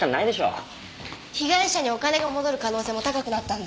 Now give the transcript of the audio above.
被害者にお金が戻る可能性も高くなったんだ。